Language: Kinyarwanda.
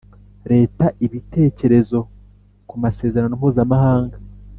Leta ibitekerezo ku masezerano mpuzamahanga